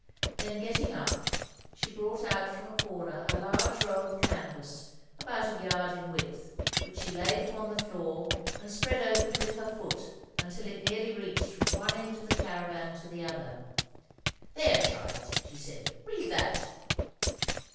Then, getting up, she brought out from a corner a large roll of canvas, about a yard in width, which she laid upon the floor, and spread open with her foot until it nearly reached from one end of the caravan to the other. "There, child," she said, "read that."